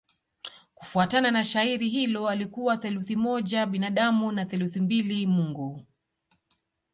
Kufuatana na shairi hilo alikuwa theluthi moja binadamu na theluthi mbili mungu.